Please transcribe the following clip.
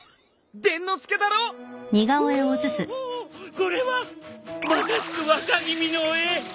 これはまさしく若君の絵。